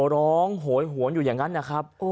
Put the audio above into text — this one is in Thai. ร้องโหยหวนอยู่อย่างนั้นนะครับ